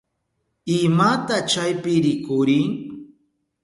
¿Imata chaypi rikurin?